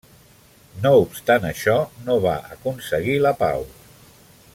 No obstant això, no va aconseguir la pau.